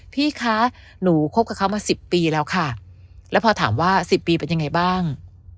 พี่คะหนูคบกับเขามา๑๐ปีแล้วค่ะแล้วพอถามว่า๑๐ปีเป็นยังไงบ้าง